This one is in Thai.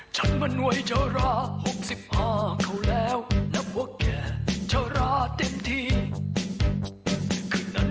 สวัสดีครับทั้งสองครับครับ